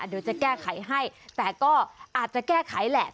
เดี๋ยวจะแก้ไขให้แต่ก็อาจจะแก้ไขแหละ